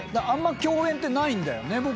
あんま共演ってないんだよね